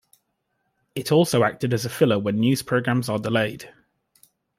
It also acted as a filler when news programs are delayed.